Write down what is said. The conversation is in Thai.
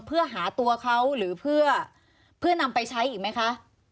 เพื่อหาตัวเขาหรือเพื่อนำไปใช้อีกไหมคะ